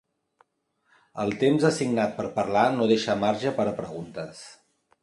El temps assignat per parlar no deixa marge per a preguntes.